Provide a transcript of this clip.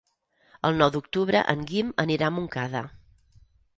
El nou d'octubre en Guim anirà a Montcada.